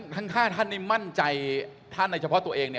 ทั้ง๕ท่านนี่มั่นใจท่านในเฉพาะตัวเอง